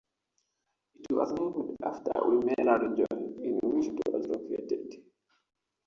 It was named after the Wimmera region in which it was located.